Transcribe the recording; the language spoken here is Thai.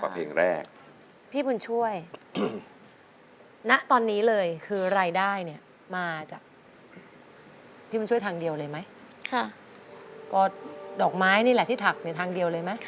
พี่เธอช่วยทางเดียวหรือ